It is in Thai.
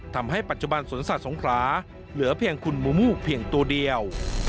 ทำให้ปัจจุบันสวนสัตว์สงคราเหลือเพียงคุณมูมูกเพียงตัวเดียว